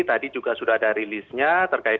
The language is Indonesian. tadi juga sudah ada rilisnya terkait